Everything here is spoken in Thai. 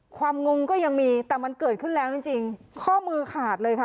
งงก็ยังมีแต่มันเกิดขึ้นแล้วจริงจริงข้อมือขาดเลยค่ะ